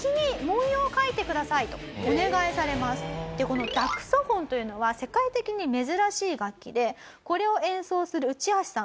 このダクソフォンというのは世界的に珍しい楽器でこれを演奏する内橋さんはですね